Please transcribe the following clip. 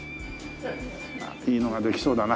いいのができそうだな。